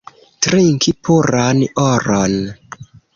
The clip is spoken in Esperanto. Trinki puran oron!